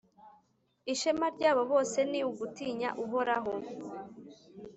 ishema ryabo bose ni ugutinya Uhoraho